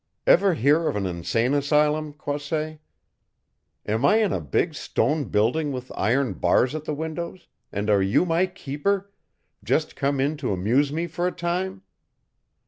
Ever hear of an insane asylum, Croisset? Am I in a big stone building with iron bars at the windows, and are you my keeper, just come in to amuse me for a time?